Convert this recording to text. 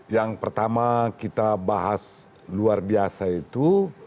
yang pertama kita bahas luar biasa itu